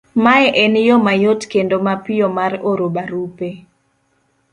Mae en yo mayot kendo mapiyo mar oro barupe,